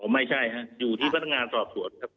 ไม่ใช่ฮะอยู่ที่พนักงานสอบสวนครับ